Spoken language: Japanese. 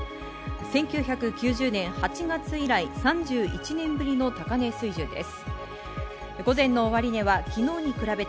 １９９０年８月以来３１年ぶりの高値水準です。